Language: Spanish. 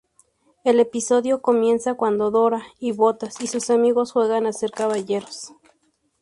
El episodio comienza cuando Dora y Botas y sus amigos juegan a ser caballeros.